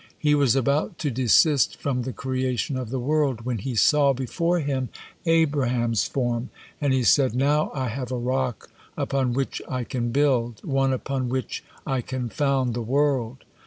He was about to desist from the creation of the world, when He saw before Him Abraham's form, and He said, 'Now I have a rock upon which I can build, one upon which I can found the world.'